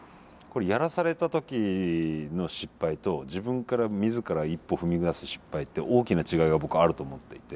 やらされた時の失敗と自分から自ら一歩踏み出す失敗って大きな違いが僕はあると思っていて。